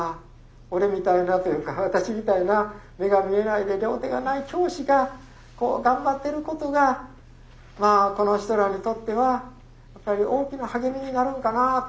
俺みたいなというか私みたいな目が見えないで両手がない教師が頑張ってることがまあこの人らにとってはやっぱり大きな励みになるんかな。